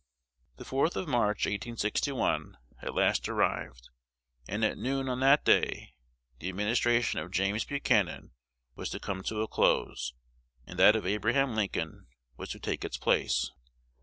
The 4th of March, 1861, at last arrived; and at noon on that day the administration of James Buchanan was to come to a close, and that of Abraham Lincoln was to take its place.